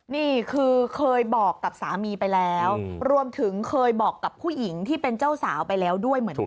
นี่คือเคยบอกกับสามีไปแล้วรวมถึงเคยบอกกับผู้หญิงที่เป็นเจ้าสาวไปแล้วด้วยเหมือนกัน